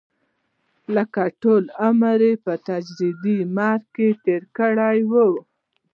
لکه ټول عمر یې په تدریجي مرګ کې تېر کړی وي.